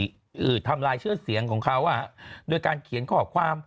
ทำลายชื่อเสียงของเขาอ่ะโดยการเขียนข้อความ